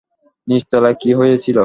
নিচতলায় কী হয়েছিল?